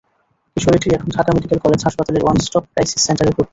কিশোরীটি এখন Dhaka medical college হাসপাতালের one stop crisis সেন্টারে ভর্তি।